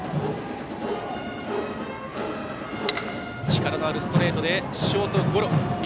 力のあるストレートでショートゴロ。